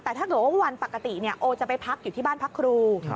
แต่ถ้าเกิดว่าวันปกติโอจะไปพักอยู่ที่บ้านพักครู